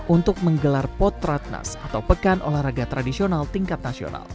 untuk menggelar potratnas atau pekan olahraga tradisional tingkat nasional